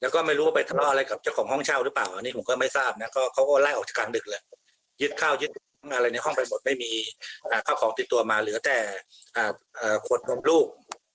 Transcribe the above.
คนลงลูก